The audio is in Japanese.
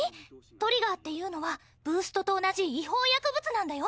トリガーっていうのはブーストと同じ違法薬物なんだよ。